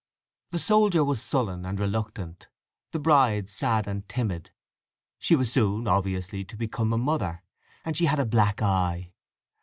The soldier was sullen and reluctant: the bride sad and timid; she was soon, obviously, to become a mother, and she had a black eye.